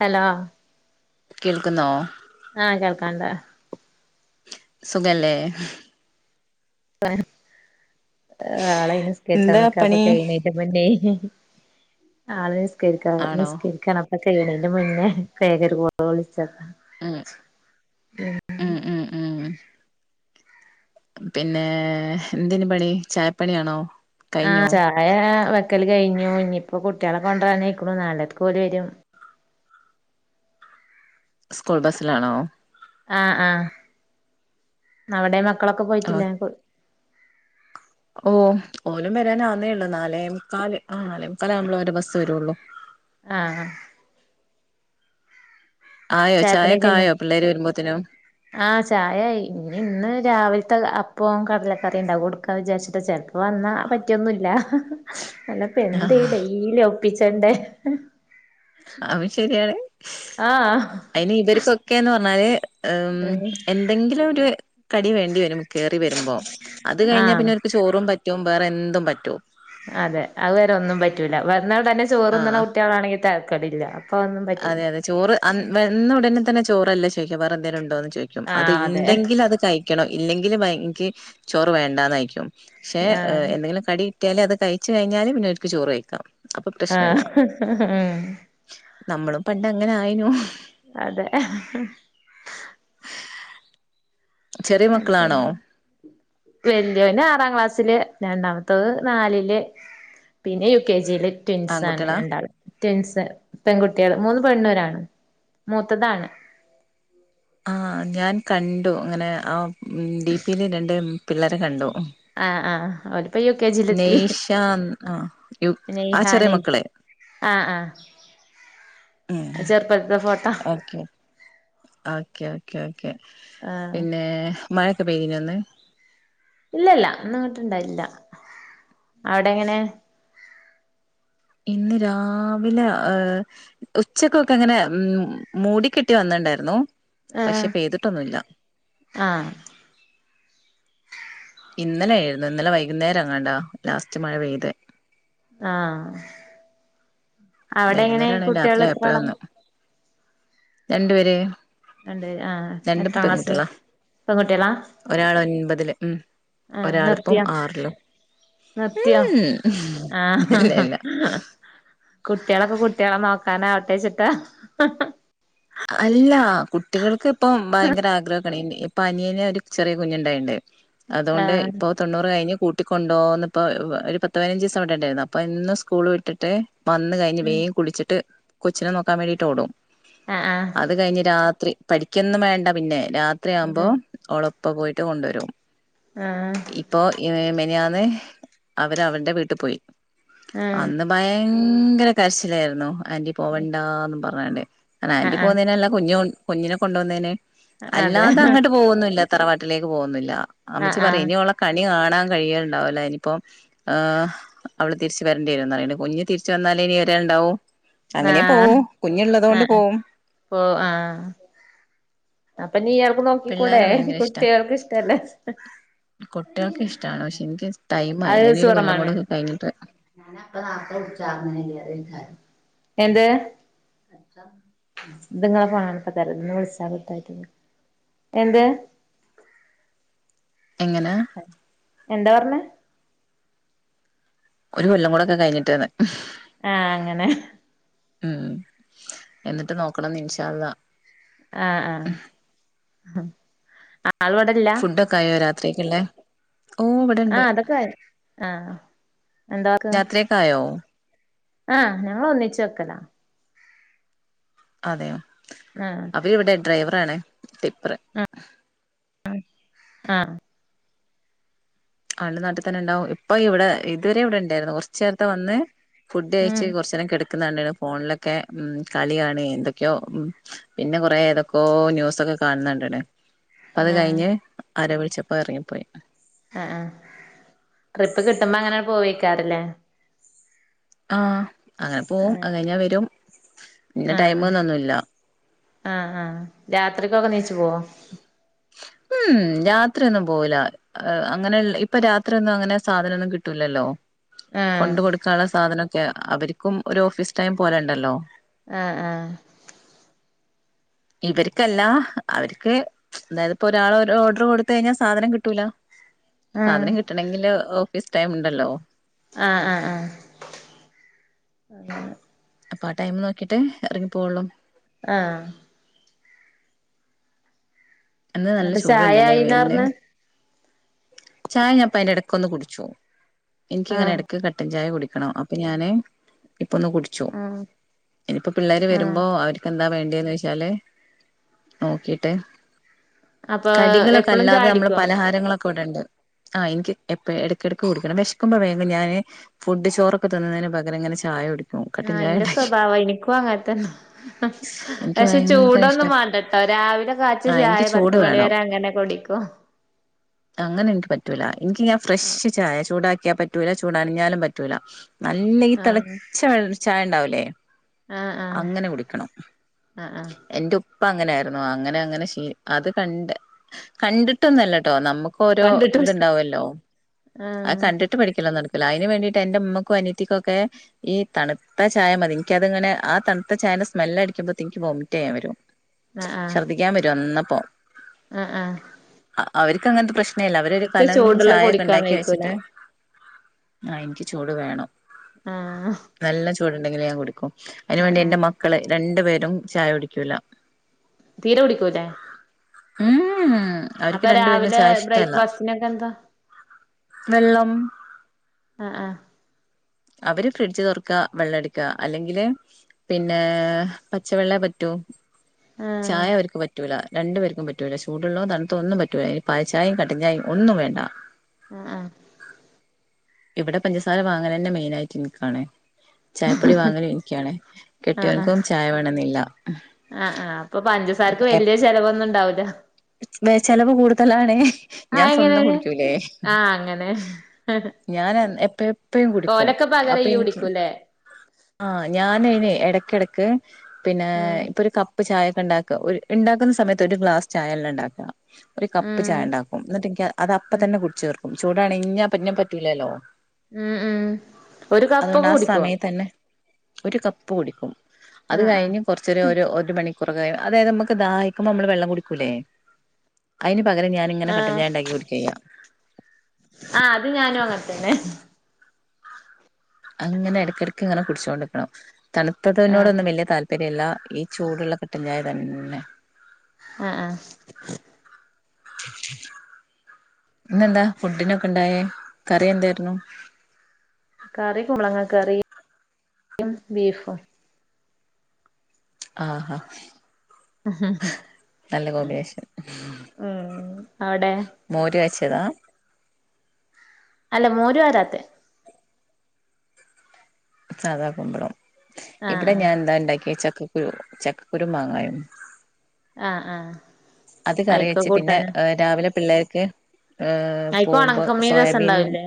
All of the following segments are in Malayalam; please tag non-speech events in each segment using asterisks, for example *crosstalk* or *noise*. ഹലോ കേൾക്കുന്നോ ആഹ് കേൾക്കാണ്ട് സുഖല്ലേ ആളെന് സ്കെച്ചാ എന്താ നക്കാപ്പ പണി കഴണീട്ടപ്പന്നെ ആള് നിസ്കരിക്ക ആണോ നിസ്കരിക്കാണപ്പ കഴിണന്റെ മുന്നേ കൈകറി ആഹ് ഉം ഉം ഉം ഉം ഉം പിന്നെ എന്തിന് പണി ചായപ്പണിയാണോ കഴിഞ്ഞോ ആഹ് ചായ വക്കല് കഴിഞ്ഞു ഇനിയിപ്പോ കുട്ടികളെ കൊണ്ടുവരന്നക്കണു നാലരയ്ക്ക് ഓര് വരും സ്കൂൾ ബസിലാണോ ആഹ് ആഹ് അവിടെ മക്കളൊക്കെ ആ പോയിട്ടില്ല ഓ ഓനും വരാൻ ആന്നേള്ളൂ നാലേമുക്കാല് ആ നാലേമുക്കാലാവുമ്പോളെ ഓന്റെ ബസ്സ് വരുള്ളു ആഹ് ആഹ് ആയോ ചായപ്പണിയൊക്കെ ചായൊക്കെ കഴിഞ്ഞോ ആയോ പിള്ളേര് വരുമ്പോത്തിനും ആഹ് ചായ ഇന്ന് ഇന്ന് രാവിലത്തെ അപ്പവും കടലക്കറിയും ഉണ്ടാവും കൊടുക്കാ വിചാരിച്ചിട്ട് ചെലപ്പോ വന്നാ പറ്റിയൊന്നുമില്ല അല്ലപ്പ ആ എന്താ ഈ ഡെയ്ലി ഒപ്പിച്ചണ്ട അവ ശരിയാണ് ആഹ് അതിന് ഇവർക്കൊക്കെന്ന് പറഞ്ഞാല് ഉ എന്തെങ്കിലും ഒരു കടി വേണ്ടി വരും കയറി വരുമ്പോ അത് കഴിഞ്ഞാൽ ആഹ് പിന്നെർക്ക് ചോറും പറ്റും വേറെ എന്തും പറ്റും അതെ അവരെ ഒന്നും പറ്റൂല. വന്നാൽ തന്നെ ആ ചോറ്ന്ന്ണെ കുട്ട്യാളാണങ്കി തെരക്കെടില്ല. അതെ അതെ ചോറ് അന്ന് വെന്ന ഉടനെ തന്നെ ചോറല്ലേ വേറെ എന്തേലുണ്ടോന്ന് ചോയ്ക്കും. അത് ആഹ് അതെ ണ്ടെങ്കിലത് ണോ ഇല്ലെങ്കിൽ ഭയക്ക് ചോറ് വേണ്ടാന്നായിക്കും പക്ഷേ ആഹ് എന്തെങ്കിലും കടി പറ്റിയാലല് അത് കഴിച്ച് കഴിഞ്ഞാല് പിന്നോൽക്ക് ചോറ് കയ്ക്കാം. ആഹ് നമ്മളും പണ്ട് അങ്ങനെ ആയ്നു അതെ ചെറിയ മക്കളാണോ വെല്ല്യോന് ആറാം ക്ലാസ് സില് രണ്ടാമത്തത് നാലില് പിന്നെ യു കെ ജി. ട്വിൻസാണ് ആൺകുട്ടികളാ രണ്ടാള്. ട്വിൻസ് പെങ്കുട്ട്യാള് മൂന് പെണ്ണും ഒരാണും മൂത്തതാണ്. ആഹ് ഞാൻ കണ്ടു. അങ്ങനെ ആ ഡി പീ ല് രണ്ട് പിള്ളേരെ കണ്ടു. ആഹ് ആഹ് പ്പ യു കെ ജി ലെത്തി നെയ്ഷ ആ യു ആ നൈഹ, ചെറിയ നൈസ മക്കളെ ആഹ് ഉം ആഹ് ചെറുപ്പത്ത്ത്തെ ഫോട്ടാ. ഓക്കെ ഓക്കെ ഓക്കെ ഓക്കെ ആഹ് പിന്നെ മഴക്കെ പെയ്തീന്നോ ഇന്ന് ഇല്ലല്ല ഇന്ന്ങ്ങട്ട്ണ്ടായിട്ടില്ല. അവടെങ്ങനെ? ഇന്ന് രാവിലെ ഏഹ് ഉച്ചക്കൊക്കെ ങ്ങനെ മ് മൂടിക്കെട്ടി വന്നാ ണ്ടായ്ര്ന്നു പക്ഷെ ആഹ് പെയ്തിട്ടൊന്നൂല്ല. ആഹ് ഇന്നലേരുന്നു ഇന്നലെ വൈകുന്നേരെങ്ങാണ്ടാ ലാസ്റ്റ് മഴ പെയ്തേ. ആഹ് അവടെ ങ്ങനെ വൈകുന്നേരാണ് കുട്ട്യാള് എത്രാള രണ്ട് പെര് രണ്ടുപേര് ആഹ് എത്രാ ക്ലാസ്സിലാ പെങ്കുട്ട്യാളാ ഒരാള് ഒൻപതില് ഉം ആഹ് ഒരാളിപ്പം നിർത്തിയോ? ആറിലും നിർത്തിയോ ഉം ഇല്ല ആഹ് ഇല്ല കുട്ട്യാളക്കെ കുട്ട്യാളെ നോക്കാനാകട്ടെ ച്ട്ടാ അല്ല കുട്ടികൾക്ക് ഇപ്പം ഭയങ്കര ആഗ്രഹക്കേണ് ഇനി പ്പനിയന് ഒര് ചെറിയ കുഞ്ഞുണ്ടായീണ്ട്. അതോണ്ട് ആഹ് ഇപ്പോ തൊണ്ണൂറ് കഴിഞ് കൂ ട്ടിക്കൊണ്ടോന്ന്പ്പോ ഒര് പത്ത് പതിനഞ്ചിസം വടെണ്ടായീന്നു. അപ്പൊ എന്നും സ്കൂള് വിട്ടിട്ട് വന്ന് കഴിഞ്ഞ് വേം കുളിച്ച്ട്ട് കൊച്ചിനെ നോക്കാൻ വേണ്ടീട്ടോടും. ആഹ് അത് കഴിഞ്ഞ് രാത്രി പഠിക്കെന്നും വേണ്ട പിന്നെ രാത്രി ആവുമ്പോ ആഹ് ഓള പ്പ പോയിട്ട് കൊണ്ട് വെരും ആഹ് ഇപ്പൊ മിനിയാ അവര് അവര്ടെ വീട്ട് പോയി ആഹ് അന്ന് ഭയെ ങ്കര കരച്ചിലായിര്ന്നു. ആന്റി പോവണ്ടാന്നും പറഞ്ങ്ങാണ്ട് കാരണം ആഹ് ആന്റി ആഹ് പോക്ന്നേനല്ല കുഞ് കുഞ്ഞിനെ കൊണ്ട്പോകുന്നേന് വന്നേനെ അതെ ആഹ് അല്ലാതങ്ങട്ട് പോകൊന്നുല്ല. തറവാട്ടിലേക്ക് പോകൊന്നുല്ല അമ്മച്ചി പറയും ആഹ് ഇനി ഓളെ കണി കാണ കാണാൻ കഴിയല്ണ്ടാവൂല ഇനിപ്പം ആഹ് അവള് തിരിച്ച് വരേണ്ടിവെരും. കുഞ്ഞു തിരിച്ച് വന്നാലേ ഇനി വരാല് ണ്ടാവു. അങ്ങനേ ആഹ് പോവും. കുഞ്ഞുള്ളതോണ്ട് ആഹ് പോവും. പോ ആഹ് അപ്പൊ നീയാൾക്ക് നോക്കിക്കൂടെ പിള്ളേരെ കുട്ട്യാൾക്ക് ഇഷ്ട്ടല്ലേ കുട്ട്യാൾക്ക് ഇഷ്ട്ടാണ്. പക്ഷെ ഇൻക്ക് ടൈമായില്ല. ഇൻക്ക് ഒരു കൊല്ലം കൂടെ ഒക്കെ കഴിഞ്ഞട്ട് മതി. ഞാന അപ്പ നാർത്തെ വിള്ചാർഞ്ഞതേന്നു. എന്ത് ത് ങ്ങളെ ഫോണാണിപ്പതെരാ ത് ന്ന് വിളിച്ചാകിട്ടായ്റ്റ് എന്ത് എങ്ങനെ എന്താ പറഞ്ഞെ ഒര് കൊല്ലം കൂടൊക്കെ കഴിഞ്ട്ട് ന് ആഹ് അങ്ങനെ ഉം എന്നിട്ട് നോക്കണം ഇന്ശാള്ളാഹ് ആഹ് ആഹ് ആള് ഇവടില്ല ഫുഡ ഒക്കെ ആയോ രാത്രിയക്ക് ല്ലേ ആഹ അതൊക്കെ ആയി ആഹ എന്താക്കാ രാത്രിയൊക്കെ ആയോ ആ ഞങ്ങൾ ഒന്നിച്ചു വെക്കലാ അതെയോ ആഹ് അവരി ഇവിടെ ഡ്രൈവറാണ് ടിപ്പർ ആ അവൾ നാട്ടിൽ തന്നെ ഇൻണ്ടാാവും ഇപ്പൊ ഇവിടെ ഇതുവരെ ഇവിടെ ഇണ്ടായിരുന്നു കുറച്ച നേരത്തെ വന്ന് ഫുഡ് ഉം കയച്ച് കുറച്ചേരം കിടന്നു ഫോണിലൊക്കെ ഉം കളിയാണ് എന്തക്കയോ പിന്നെ കുറെ ഏതാക്കയോ ന്യൂസ്‌ ഒക്കെ കാണണ്ടേ അത് ആഹ് കഴിഞ്ഞ് ആരോ വിളിച്ചപ്പോ ഇറങ്ങിപ്പോയി ആ ആ ട്രിപ്പ് കിട്ടുമ്പോ അങ്ങനെ പോവോയിക്കാരംലെ ആഹ അങ്ങനെ പോകും ആഹ് അത് കഴിഞ്ഞ വരും ഇന്നെ ടൈമ്മ്ന്ന് ഒന്നുല്ല ആ ആ രാത്രിക്കൊക്കെ നീച്ചു പോവോ രാത്രി ഒന്നും പോവൂല അങ്ങനെ ഇപ്പൊ രാത്രിൊന്നും അങ്ങനെ സാധനൊന്നും കിട്ടൂലല്ലോ ആഹ് കൊണ്ട് കൊടുക്കാനുള്ള സാധനനോക്കെ അവർക്കും ഒരു ഓഫീസ് ടൈം പോലെണ്ടല്ലോ ആ ആ ഇവർക്കല്ല അവർക്ക് അതായത് ഇപ്പോൊ ഒരാള് ഓർഡർ കൊടുത്ത് കഴിഞ്ഞ സാധനം കിട്ടൂല ആഹ് സാധനം കിട്ടനെങ്കിൽ ഓഫീസ് ടൈം ഉണ്ടല്ലോ ആഹ ആഹ ആഹ അെ അപ്പൊ ആ ടൈം നോക്കിട്ട് ഇറങ്ങി പോകള്ളൂ ആഹ ഇന്ന് നല്ല ന്നട്ട് ചായ ചൂട്ണ്ടലെ ആയിന്നാ വൈലിൻ പറഞ്ഞെ ചായ ഞാപ്പോ അതിന്റെ ഇടക്ക് ഒന്ന് കുടിച്ചു എനിക്കിങ്ങനെ ആഹ് ഇടയ്ക്ക് കട്ടൻ ചായ കുടി ണോ അപ്പൊ ഞാന് ഇപ്പൊ ഒന്ന് കുടിച്ചു ആഹ് ഇനിപ്പോ പിള്ളേര് ആഹ് വരുമ്പോ അവർക്കെന്താ വേണ്ട എന്ന് വച്ചാല് നോക്കിട്ട് അപ്പൊ കടികളൊക്കെ എപ്പളും അല്ലാതെ നമ്മള് ചായുടിക്കോ പലഹാരങ്ങളൊക്കെ ഇവിടണ്ട് ആ ഇന്ക് ഇടക്കിടക്ക് കുടിക്കണം വിശക്കുമ്പോേ ഞാന് ഫുഡ് ചോറൊക്കെ തിന്നുന്നതിന് പകരംങ്ങനെ ചായ കുടിക്കണം ആ എന്റെ സ്വഭാവം എനിക്കും അങ്ങനെത്തന്ന എനിക്ക് പക്ഷെ ഭയങ്കര ഇഷ്ട ചൂടൊന്നും മാണ്ടട്ടോ രാവിലെ കാച്ചിയ ആഹ് എനിക്ക് ചായ ചൂട് പത്ത് മണി വേണം വരെ അങ്ങനെ കുടിക്കും അങ്ങനെ ഇന്ക് പറ്റൂല ഇന്ക് ഞാൻ ആഹ് ഫ്രഷ് ചായ ചൂടാക്കിയ പറ്റൂല ചൂടണഞ്ഞാലും പറ്റൂല നല്ല ഈ ആഹ് തിളച്ച ചായ ഉണ്ടാവലേ ആഹ് ആഹ് അങ്ങനെ കുടിക്കണം ആഹ് ആഹ് എന്റെ ഉ ഇപ്പ അങ്ങനൊയിുന്ന അങ്ങനെ അങ്ങനെ ശീലിച്ചു അത് കണ്ട് കണ്ടിട്ടൊന്നല്ലട്ടോ നമുക്ക് ഓരോ കണ്ടിട്ടും ഇത്ണ്ടാവോലോ അത് ആഹ് കണ്ടിട്ട് പഠിക്കലാ നടക് അയിൻ വേണ്ടീട്ട് എന്റെമ്മക്കും അനിയത്തിക്കുകൊക്കെ ഈ തണുത്ത ചായ മതി എനിക്കത്ങ്ങനെ ആ തണുത്ത ചായ ങ്ങനെ സ്മെല് അടിക്ക്പത്തേക് വോമിറ്റ്യ്യാൻ വരും ആഹ ആഹ ന്നപ്പോ ആ ആ ഇയ്ക്ക അങ്ങനത്തെ പ്രശ്നല്ല അവര് ഒരു കലം കുടിക്കാൻ ചായയൊക്കെണ്ടാക്കി വൈക്കൂല വെച്ചിട്ട് ആ ഇനിക്ക് ചൂട് വേണം ആഹ് ചൂടുണ്ടെകിലെ ഞാൻ കുടിക്കും അതിന് ആഹ് വേണ്ടി ആഹ് എൻന്റെ മക്കള് രണ്ടു പേരും ചായ കുടിക്കൂല തീരെ കുടിക്കൂലേ ഊ ഊ അവർക്ക് അപ്പൊ രണ്ടു പേർക്കും രാവിലെ ചായ ഇഷ്ടല്ല ബ്രേക്ക്ഫാസ്റ്റിനൊക്കെ എന്താ വെള്ളമ്മ് ആഹ് ആഹ് അവര് ഫ്രിഡ്ജ് തുറക്കാ വെള്ളം എടുക്ക അല്ലെങ്കില് പിന്നെ പച്ചവെള്ള പറ്റൂ ആഹ് ചായ അവർക്ക് പറ്റൂല രണ്ടു പേർക്കും പറ്റൂല ചൂടുള്ളതും തണുത്തതും ഒന്നും പറ്റൂല്ല ഇനി പാൽ ചായേം കട്ടഞ്ചായേം ഒന്നും വേണ്ട അ അ ഇവിടെ പഞ്ചസാര വാങ്ങലെന്നെ മെയിനായിട്ട് ഇനിക്കാണേ ചായപ്പൊടി വാങ്ങലും ഇനിയ്ക്കാണ് കെട്ടിയവനക്കും ചായ വേണെന്നില്ല അ അ അപ്പൊ പഞ്ചസാരക്ക് വല്ല്യേ ചെലവൊന്നും ഉണ്ടാവൂല്ല ചിലവ് കൂടുതലാണേ ഞാൻ ആഹ് എങ്ങനെ സ്വന്തം കുടിക്കൂലേ ആഹ് അങ്ങനെ ഞാന് എന്ന് എപ്പോ എപ്പയും കുടിക്കും ഓലൊക്കെ പകരം അപ്പൊ ഇയ്യ് ഇനിക്ക് കുടിക്കൂല്ലേ ആ ഞാനയിന് എടക്കെടയ്ക്ക് പിന്നെ ഉം ഇപ്പൊ ഒരു കപ്പ് ചായൊക്കെ ഇണ്ടാക്ക ഒരു ഇണ്ടാക്കുന്ന സമയത്ത് ഒരു ഗ്ലാസ് ചായെല്ലാ ഇണ്ടാക്ക ഒരു കപ്പ് ഉം ചായ ണ്ടാക്കും എന്നിട്ടനിക്ക് അത് അപ്പ ഉം തന്നെ കുടിച്ച് തീർക്കും ചൂടാണ് ഇഞ്ഞപ്പ ഞ്ഞാപ്പറ്റൂലല്ലോ ഉം ഉം ഒരു അതുകൊണ്ട് കപ്പൊക്കെ ആ കുടിക്കുവോ സമയ തന്നെ ഒരു കപ്പ് കുടിക്കും അത് ആഹ് ആഹ് കഴിഞ്ഞ് കൊറച്ചേര ഒരു ഒരു മണിക്ക് പുറകെ അതായത് നമുക്ക് ദാഹിക്കുമ്പോമ്മള് വെള്ളം കുടിക്കൂലേ അയിന് പകരം ഞാനിങ്ങനെ ആഹ് കട്ടഞ്ചായണ്ടാക്കി കുടിക്ക യാ ആഹ് അത് ഞാനും അങ്ങനെ തന്നെ അങ്ങനെ എടയ്ക്കിടയ്ക്ക് ഇങ്ങനെ കുടിച്ചോണ്ടക്കണം ആഹ് തണുത്തതിനോടൊന്നും വലിയ താല്പര്യല്ല ഈ ചൂടുള്ള കട്ടൻ ചായ തന്നെ അ അ ഇന്നെന്താ ഫുഡിനൊക്കെ ഇണ്ടായേ കറി എന്തായിരുന്നു കറി കുമ്പളങ്ങ കറി യും ബീഫും ആഹാ മ്മ് നല്ല കോമ്പിനേഷൻ അവിടെ *unintelligible* അല്ല മോര് വരാത്തെ സാധാ കുമ്പളം ആഹ് ഇവിടെ ആഹ് ഞാൻ എന്താണ്ടാക്കിയേച്ച ചക്കക്കുരു ചക്കക്കുരു മാങ്ങായും അ അ അത് കറി വെച്ചു പിന്നെ രാവിലെ പിള്ളേര്ക്ക് ഏ അയിക്ക് തുമ്പോ ഒണക്കമീൻ രസം സബീൻ ഉണ്ടാവില്ലേ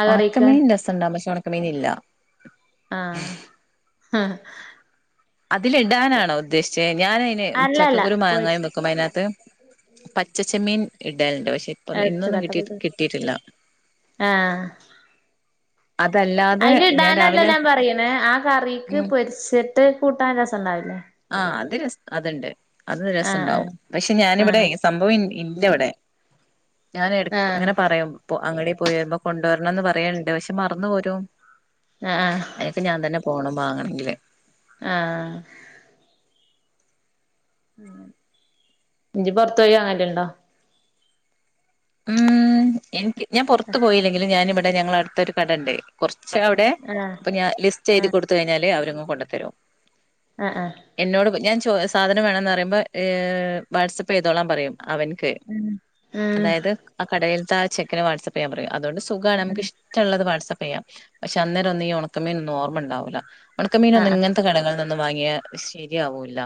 ആ കറിക്ക് ഉണക്കമീൻ രസണ്ടാവും പക്ഷേ ഉണക്കമീൻ ഇല്ല അ ഹ് അതില ഇടാനാണോ ഉദ്ദേശിച്ചേ ഞാൻ അതിന് അല്ലല്ല ചക്കക്കുരു പൊരിച്ച് മാങ്ങായും വെക്കുമ്പോ അയിനകത്ത് പച്ച ചെമ്മീൻ ഇടലണ്ട് പക്ഷേ ഇപ്പൊ എടുത്ത് ഇന്നൊന്നും കിട്ടി കട്ടപ്പ കിട്ടിയിട്ടില്ല ആഹ് അതല്ലാതെ അയില് ഇടാനല്ലല്ലോ രാവിലെ ഞാൻ പറയണ് ആ കറിക്ക് ഉം പൊരിച്ചിട്ട് കൂട്ടാൻ രസണ്ടാവില്ലേ ആഹ് അത് ര അതുണ്ട് അത് രസണ്ടാവും ആഹ് പക്ഷെ ഞാനിവിടെ ആഹ് ഈ സംഭവം ഇനി ഇല്ലവിടെ ഞാൻ എടക്ക്‌ ആഹ് ഇങ്ങനെ പറയാ ഇപ്പൊ അങ്ങടെ പോയി വരുമ്പോ കൊണ്ടുവരണംന്ന് പറയണ് ണ്ട് പക്ഷെ മറന്നു പോരും ആഹ് ആഹ് ആഹ് അയിനൊക്കെ ഞാൻ തന്നെ - പോണം വാങ്ങണെങ്കില് അ ഇഞ്ചി പൊറത്ത് പോയി വാങ്ങ്ന്തേലും ഇണ്ടോ ഉം എനിക്ക് ഞാൻ പുറത്ത് പോയില്ലെങ്കിലും ഞാനിവിടെ ഞങ്ങളടുത്തൊരു കടണ്ട് കുറച്ച് അവിടെ ആഹ് ഇപ്പൊ ഞാൻ ലിസ്റ്റ് എയ്തി ആഹ് കൊടുത്ത് കഴിഞ്ഞാല് അവരങ്ങ് കൊണ്ടത്തരും ആഹ് ആഹ് എന്നോട് ഞാൻ ചോ സാധനം വേണംന്ന് പറയുമ്പോ ഏ വാട്സപ്പ് ചെയ്തോളാൻ പറയും അവൻ ക്ക്‌ ഉം ഉം അതായത് ആ കടയിലത്തെ ആ ചെക്കന് വാട്സ് ആപ്പ് ചെയ്യാൻ പറയ അതോണ്ട് സുഖാണ് നമുക്ക്‌ ഉം ഇഷ്ട്ടള്ളത് വാട്സ്ആപ്പ് ചെയ്യാം പക്ഷെ അന്നേരൊന്നും ഈ ഉണക്കമീനൊന്നും ഓർമ്മ ഉണ്ടാവൂല്ല ഉണക്ക മീനൊന്നും ആഹ് ഇങ്ങനത്തെ കടകളിൽ നിന്നും വാങ്ങിയാ ശരിയാവൂല്ല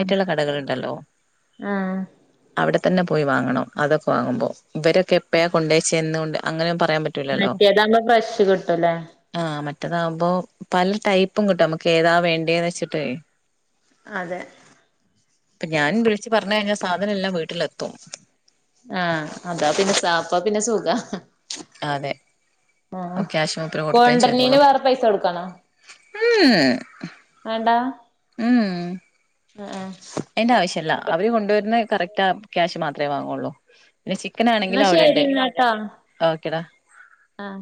ആഹ് കടകളുണ്ടല്ലോ, ആഹ് അവിടെ തന്നെ പോയി വാങ്ങണം. അതൊക്കെ വാങ്ങുമ്പോ, ഇവരൊക്കെ എപ്പയാ കൊണ്ടേവച്ചേ എന്നുകൊണ്ട് അങ്ങനെ പറ റയാൻ പറ്റൂലല്ലോ മറ്റേതാവുമ്പോ ഫ്രഷ് കിട്ടൂല്ലേ ആ മ റ്റതാവുമ്പോ പല ടൈപ്പും കിട്ടും, നമുക്ക് ഏതാ വേണ്ടേന്ന് വെച്ചിട്ടേ അതെ ഇപ്പൊ ഞാൻ വിളിച്ച് പറഞ്ഞ് കഴിഞ്ഞാ സാധനെല്ലാം വീട്ടിലെത്തും. ആഹ് അതാ പിന്നെ അപ്പൊ പിന്നെ സുഖാ അതെ ആഹ് ക്യാഷ് മാത്രം കൊടുത്താ കൊണ്ടര്ണീന് ചെയ്തോളും. വേറെ പൈസ കൊടുക്കണോ ഉം വേണ്ടാ ഉം ആ ആ അതിന്റെ ആവശ്യല്ല, അവര് കൊണ്ടുവരണ് കറക്റ്റ് ആ ക്യാഷ് മാത്രേ വാങ്ങുള്ളൂ. പിന്നെ ചിക്കൻ എന്നാ ആണെങ്കിലും ശരി അവിടെണ്ട്, എന്നാട്ടോ ഓക്കെടാ. ആ